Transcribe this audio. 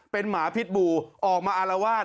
เป็นหมาพิษบูออกมาอารวาส